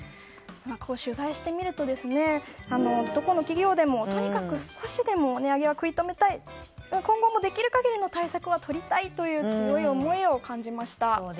取材してみると、どこの企業でもとにかく少しでも値上げは食い止めたい今後もできる限りの対策は取りたいという強い思いを感じました。